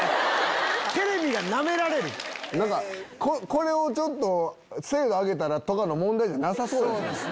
これを精度上げたらとかの問題じゃなさそうです。